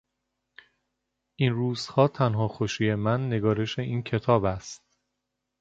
این روزها تنها خوشی من نگارش این کتاب است.